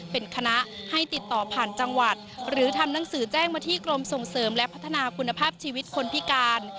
เป็นคณะให้ติดต่อผ่านจังหวัดหรือทำหนังสือแจ้งมาที่กรมส่งเสริมและพัฒนาคุณภาพชีวิตคนพิการ